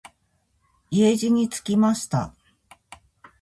家路につきました。